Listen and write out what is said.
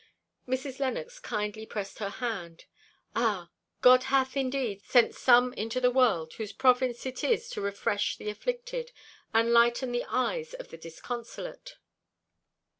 Mrs. Lennox kindly pressed her hand. "Ah! God hath, indeed, sent some into the world, whose province it is to refresh the afflicted, and lighten the eyes of the disconsolate.